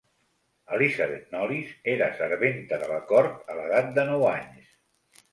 Elizabeth Knollys era serventa de la cort a l'edat de nou anys.